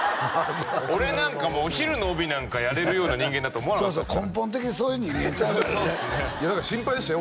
俺なんかお昼の帯なんかやれるような人間だと思わなかったですから根本的にそういう人間ちゃうからねだから心配でしたよ